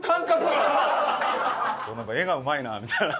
なんか絵がうまいなみたいな。